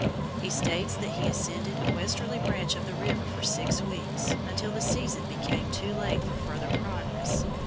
He states that he ascended a westerly branch of the river for six weeks, until the season became too late for farther progress.